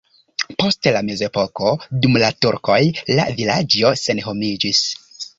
Post la mezepoko dum la turkoj la vilaĝo senhomiĝis.